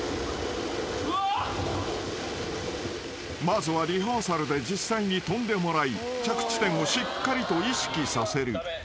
［まずはリハーサルで実際に跳んでもらい着地点をしっかりと意識させる］